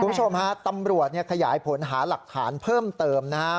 คุณผู้ชมฮะตำรวจเนี่ยขยายผลหาหลักฐานเพิ่มเติมนะฮะ